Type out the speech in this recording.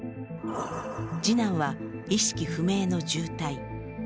次男は意識不明の重体。